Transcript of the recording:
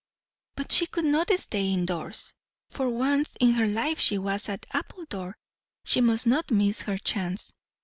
But she could not stay in doors. For once in her life she was at Appledore; she must not miss her chance.